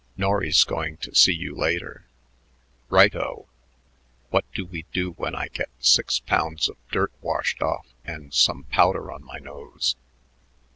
Norry's going to see you later." "Right o. What do we do when I get six pounds of dirt washed off and some powder on my nose?"